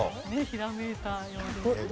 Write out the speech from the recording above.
ひらめいたようで。